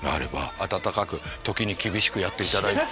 温かく時に厳しくやっていただいて。